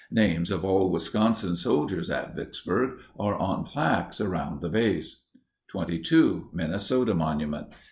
Names of all Wisconsin soldiers at Vicksburg are on plaques around the base. 22. MINNESOTA MONUMENT.